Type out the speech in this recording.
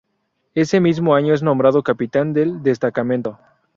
Ese mismo año es nombrado capitán del destacamento.